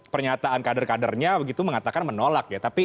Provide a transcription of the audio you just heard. pernyataan kader kadernya begitu mengatakan menolak ya